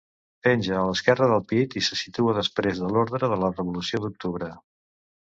Penja a l'esquerra del pit i se situa després de l'Orde de la Revolució d'Octubre.